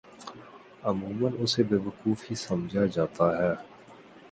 عموما اسے بیوقوف ہی سمجھا جاتا ہے۔